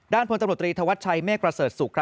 ด้านพลตรวจตรีธวัชชัยเมฆกระเสริฐสุข